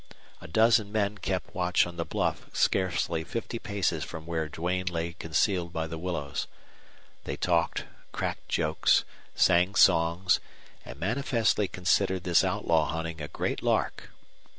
A dozen men kept watch on the bluff scarcely fifty paces from where Duane lay concealed by the willows. They talked, cracked jokes, sang songs, and manifestly considered this outlaw hunting a great lark.